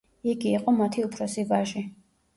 იგი იყო მათი უფროსი ვაჟი.